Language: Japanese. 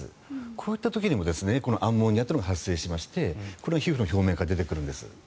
こういった時にもアンモニアというのが発生しましてこれは皮膚の表面から出てくるんです。